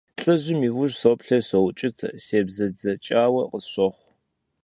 ЛӀыжьым и ужь соплъэри соукӀытэ, себзэджэкӀауэ къысщохъу.